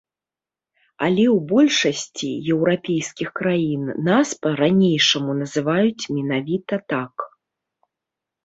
Але ў большасці еўрапейскіх краін нас па-ранейшаму называюць менавіта так.